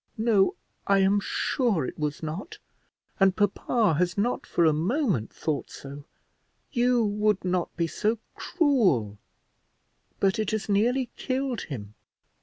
"No, I am sure it was not; and papa has not for a moment thought so; you would not be so cruel; but it has nearly killed him.